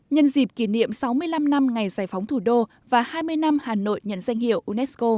nhân dịp kỷ niệm sáu mươi năm năm ngày giải phóng thủ đô và hai mươi năm hà nội nhận danh hiệu unesco